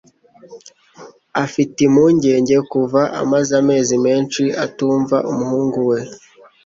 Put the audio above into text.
Afite impungenge kuva amaze amezi menshi atumva umuhungu we